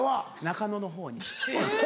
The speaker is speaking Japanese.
中野のほうに。